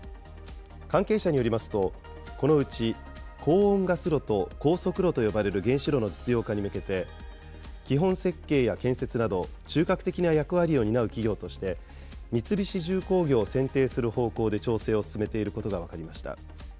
関係者によりますと、このうち高温ガス炉と高速炉と呼ばれる原子炉の実用化に向けて、基本設計や建設など中核的な役割を担う企業として、三菱重工業を選定する方向で調整を進めていることが分かりました。